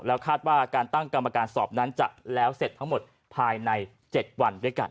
คาดว่าการตั้งกรรมการสอบนั้นจะแล้วเสร็จทั้งหมดภายใน๗วันด้วยกัน